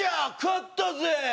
勝ったぜ！